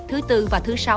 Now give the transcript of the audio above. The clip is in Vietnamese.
thứ bốn và thứ sáu